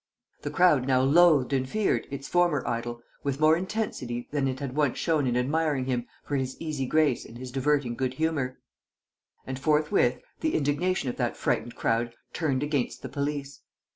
The crowd now loathed and feared its former idol with more intensity than it had once shown in admiring him for his easy grace and his diverting good humor. And, forthwith, the indignation of that frightened crowd turned against the police.